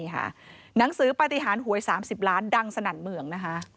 หนังสือปฏิหารหวย๓๐ล้านดังสนั่นเมืองนะคะ